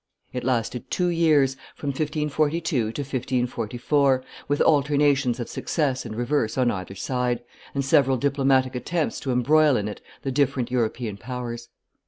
It lasted two years, from 1542 to 1544, with alternations of success and reverse on either side, and several diplomatic attempts to embroil in it the different European powers.